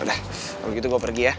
udah kalau gitu gue pergi ya